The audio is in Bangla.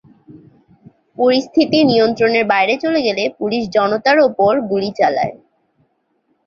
পরিস্থিতি নিয়ন্ত্রণের বাইরে চলে গেলে, পুলিশ জনতার ওপর গুলি চালায়।